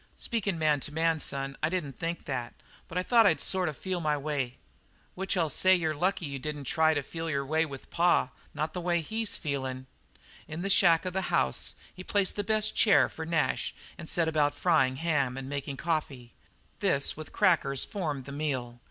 "Speakin' man to man, son, I didn't think that, but I thought I'd sort of feel my way." "Which I'll say you're lucky you didn't try to feel your way with pa; not the way he's feelin' now." In the shack of the house he placed the best chair for Nash and set about frying ham and making coffee. This with crackers, formed the meal.